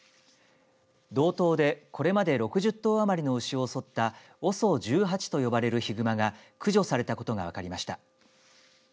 道東でこれまで６０頭余りの牛を襲ったＯＳＯ１８と呼ばれるヒグマが駆除されたことが分かりました。